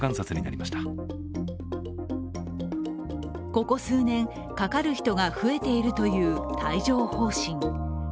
ここ数年、かかる人がふえているという帯状疱疹。